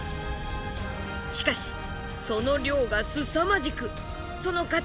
しかしその量がすさまじくその価値